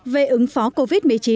về ứng phó covid một mươi chín